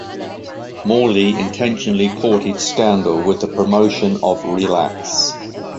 Morley intentionally courted scandal with the promotion of "Relax".